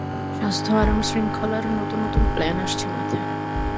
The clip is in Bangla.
স্বাস্থ্য আরাম শৃঙ্খলার নতুন নতুন প্ল্যান আসছে মাথায়।